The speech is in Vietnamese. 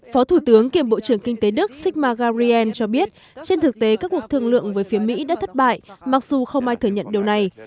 phó thủ tướng kiêm bộ trưởng kinh tế đức sikma gariel cho biết trên thực tế các cuộc thương lượng với phía mỹ đã thất bại mặc dù không ai thừa nhận điều này